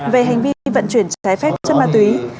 về hành vi vận chuyển trái phép chất ma túy